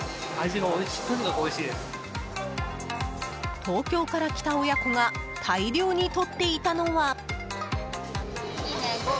東京から来た親子が大量に取っていたのは。